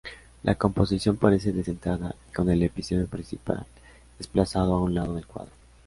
La composición parece descentrada, con el episodio principal desplazado a un lado del cuadro.